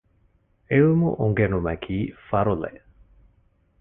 ޢިލްމު އުނގެނުމަކީ ފަރުޟެއް